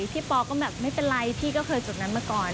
ปอก็แบบไม่เป็นไรพี่ก็เคยจุดนั้นมาก่อน